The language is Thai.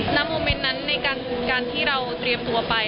โมเมนต์นั้นในการที่เราเตรียมตัวไป